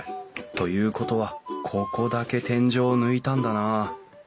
ということはここだけ天井を抜いたんだな。